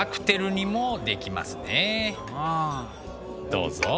どうぞ。